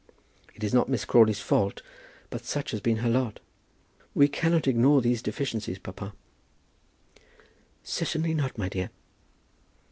It is not Miss Crawley's fault, but such has been her lot. We cannot ignore these deficiencies, papa." "Certainly not, my dear."